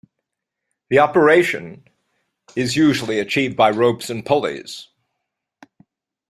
This operation is usually achieved by ropes and pulleys.